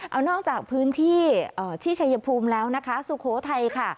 เอานอกจากพื้นที่ที่ชัยภูมิแล้วนะคะสุโขทัยค่ะ